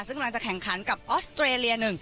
ซึ่งกำลังจะแข่งขันกับออสเตรเลียหนึ่ง